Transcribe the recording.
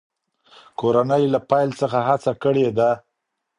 کورنۍ له پیل څخه هڅه کړې ده.